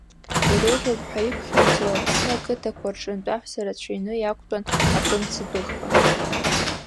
Иреиӷьуп ҳәа иԥхьаӡоу Аԥсны ақыҭақәа рҿынтә аҳәса рацәаҩны иақәтәан афымца дәыӷба.